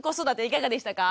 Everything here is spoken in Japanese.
いかがでしたか？